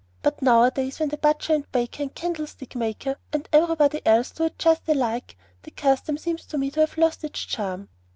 But nowadays, when the butcher and baker and candlestick maker and everybody else do it just alike, the custom seems to me to have lost its charm.